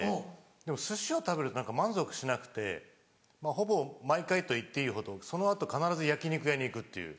でも寿司を食べると何か満足しなくてまぁほぼ毎回といっていいほどその後必ず焼肉屋に行くっていう。